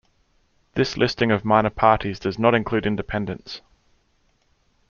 This listing of minor parties does not include independents.